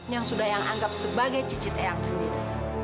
yang sudah yang anggap sebagai cicit eyang sendiri